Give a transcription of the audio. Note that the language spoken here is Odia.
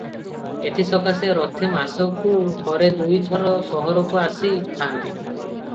ଏଥି ସକାଶେ ରଥେ ମାସକୁ ଥରେ ଦୁଇ ଥର ସହରକୁ ଆସି ଥାଆନ୍ତି ।